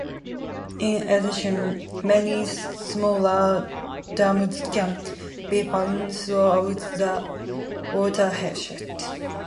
In addition, many smaller dams can be found throughout the watershed.